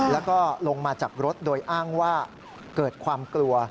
แล้วก็ลงมาจากรถโดยอ้างว่าเกิดความกลัว